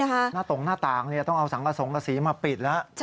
หน้าตรงหน้าต่างต้องเอาสังกสงกษีมาปิดแล้ว